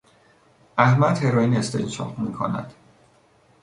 احمد هروئین استنشاق میکند.